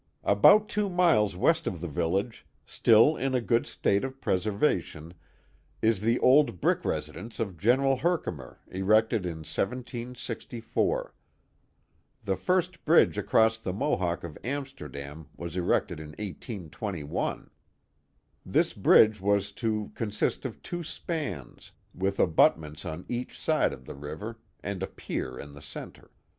About two miles west of the village, still in a good state of preservation, is the old brick residence of General Hcfkimef, erected in 1764. The first bridge across the Mohawk at Amsterdam wai erected in 1821. This bridge was to consist of two spans, with abutments on each side of the river, and a pier in the centre.